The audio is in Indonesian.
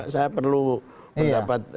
saya perlu mendapat